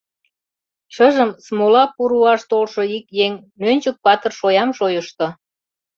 Шыжым смола пу руаш толшо ик еҥ «Нӧнчык-патыр» шоям шойышто.